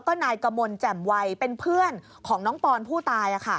อังคารและที่หอนุมัยเป็นเพื่อนของน้องปรพูตาย